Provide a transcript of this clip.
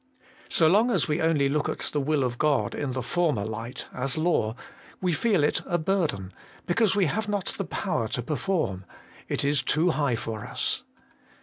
So long as we only look at the will of God in the former light, as law, we feel it a burden, because we have not the power to perform it is too high for us.